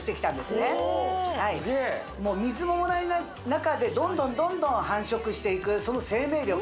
すげえ水ももらえない中でどんどんどんどん繁殖していくその生命力